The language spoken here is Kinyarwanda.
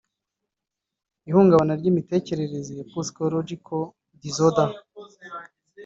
Ihungabana ry’ imitekerereze (psychological disorders)